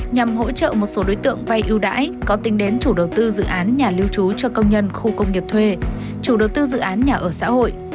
nhằm hỗ trợ một số đối tượng vay ưu đãi có tính đến chủ đầu tư dự án nhà lưu trú cho công nhân khu công nghiệp thuê chủ đầu tư dự án nhà ở xã hội